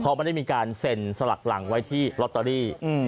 เพราะไม่ได้มีการเซ็นสลักหลังไว้ที่ลอตเตอรี่